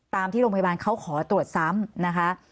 ตามที่โรงพยาบาลเขาขอตรวจซ้ำนะคะ